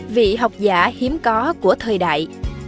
vị học giả hiếm có của thời đại